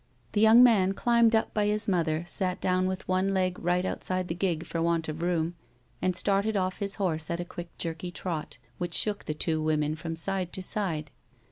The young man climbed up by his mother, sat down with one leg right outside the gig, for want of room, and started off his horse at a quick jerky trot which shook the two women from side to side.